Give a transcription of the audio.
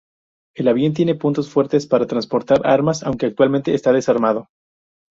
El avión tiene puntos fuertes para transportar armas, aunque actualmente está desarmado.